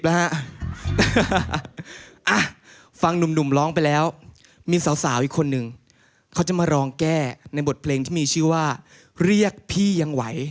อ่ะฟังหนุ่มร้องไปแล้วมีสาวอีกคนนึงเขาจะมารองแก้ในบทเพลงที่มีชื่อว่าเรียกพี่ยังไหว